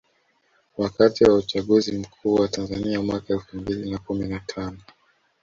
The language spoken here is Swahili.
Wakati wa uchaguzi mkuu wa Tanzania mwaka elfu mbili na kumi na tano